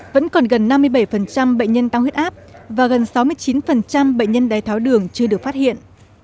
vẫn còn gần năm mươi bảy bệnh nhân tăng huyết áp và gần sáu mươi chín bệnh nhân đai tháo đường chưa được phát hiện